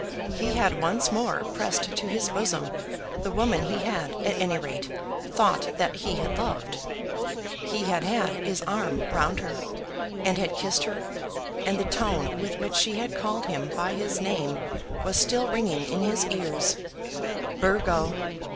He had once more pressed to his bosom the woman he had, at any rate, thought that he had loved. He had had his arm round her, and had kissed her, and the tone with which she had called him by his name was still ringing in his ears, "Burgo!"